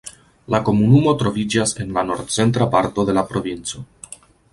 La komunumo troviĝas en la nord-centra parto de la provinco.